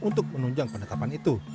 untuk menunjang penetapan itu